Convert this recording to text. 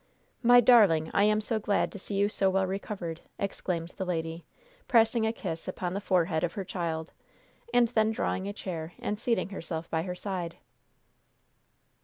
"My darling, I am so glad to see you so well recovered!" exclaimed the lady, pressing a kiss upon the forehead of her child, and then drawing a chair and seating herself by her side.